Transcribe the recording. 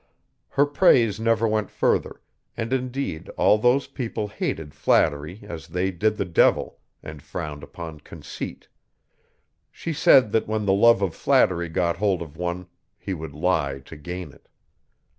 Her praise never went further, and indeed all those people hated flattery as they did the devil and frowned upon conceit She said that when the love of flattery got hold of one he would lie to gain it.